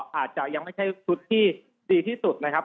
อาจจะยังไม่ใช่ชุดที่ดีที่สุดนะครับ